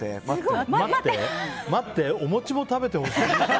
待ってお餅も食べてほしい。